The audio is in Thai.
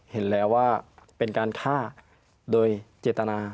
เห็นแล้วว่าเป็นการฆ่าโดยเจตนา